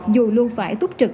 dù luôn phải túc trực